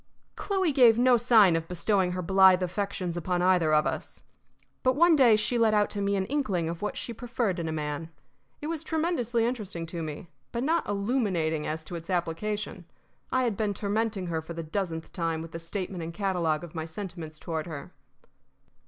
Chloe gave no sign of bestowing her blithe affections upon either of us. But one day she let out to me an inkling of what she preferred in a man. It was tremendously interesting to me, but not illuminating as to its application. I had been tormenting her for the dozenth time with the statement and catalogue of my sentiments toward her.